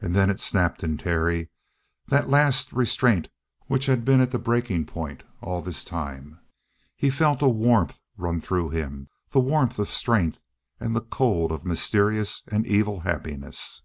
And then it snapped in Terry, that last restraint which had been at the breaking point all this time. He felt a warmth run through him the warmth of strength and the cold of a mysterious and evil happiness.